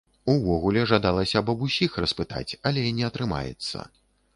Увогуле, жадалася б аб усіх распытаць, але не атрымаецца.